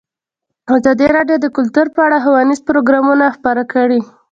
ازادي راډیو د کلتور په اړه ښوونیز پروګرامونه خپاره کړي.